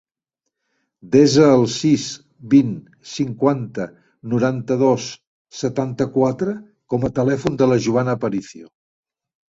Desa el sis, vint, cinquanta, noranta-dos, setanta-quatre com a telèfon de la Joana Aparicio.